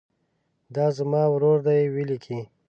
دا زما ورور دی ولیکئ.